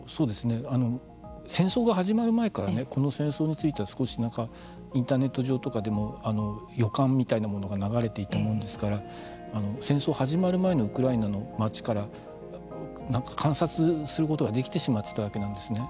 戦争が始まる前からこの戦争については少しインターネット上とかでも予感みたいなものが流れていたものですから戦争が始まる前のウクライナの町から観察することができてしまっていたわけなんですね。